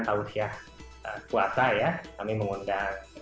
tausiah puasa ya